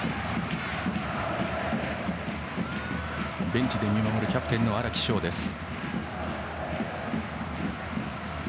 ベンチで見守るキャプテンの荒木翔でした。